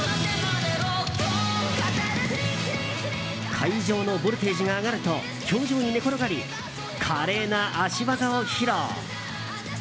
会場のボルテージが上がると氷上に寝転がり華麗な足技を披露。